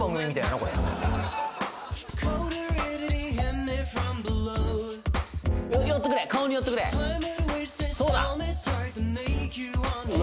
これ寄ってくれ顔に寄ってくれそうだうわ